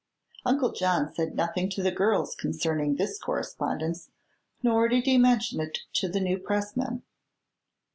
Uncle John said nothing to the girls concerning this correspondence, nor did he mention it to the new pressman.